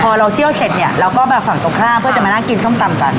พอเราเที่ยวเสร็จเนี่ยเราก็มาฝั่งตรงข้ามเพื่อจะมานั่งกินส้มตำกัน